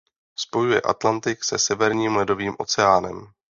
Spojuje Atlantik se Severním ledovým oceánem.